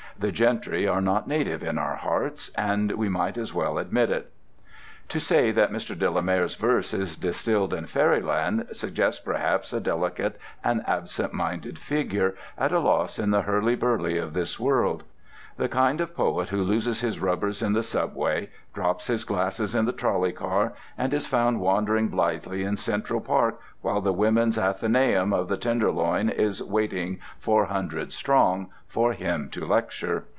The gentry are not native in our hearts, and we might as well admit it. To say that Mr. de la Mare's verse is distilled in fairyland suggests perhaps a delicate and absent minded figure, at a loss in the hurly burly of this world; the kind of poet who loses his rubbers in the subway, drops his glasses in the trolley car, and is found wandering blithely in Central Park while the Women's Athenaeum of the Tenderloin is waiting four hundred strong for him to lecture.